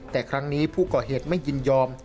แต่ครั้งนี้ผู้ก่อเหตุไม่ยินยอม